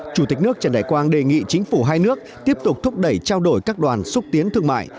chủ tịch nước trần đại quang đề nghị chính phủ hai nước tiếp tục thúc đẩy trao đổi các đoàn xúc tiến thương mại